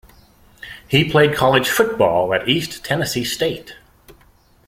He played college football at East Tennessee State.